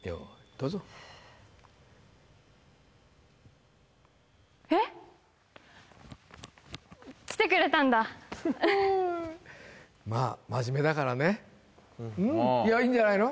どうぞえっ来てくれたんだまあうんいやいいんじゃないの？